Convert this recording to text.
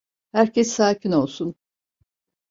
Herkes sakin olsun.